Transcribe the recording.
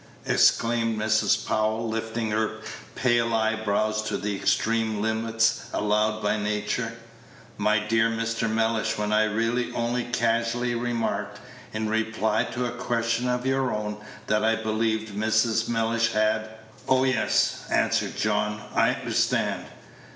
exclaimed Mrs. Powell, lifting her pale eyebrows to the extreme limits allowed by nature. "My dear Mr. Mellish, when I really only casually remarked, in reply to a question of your own, that I believed Mrs. Mellish had " "Oh yes," answered John, "I understand.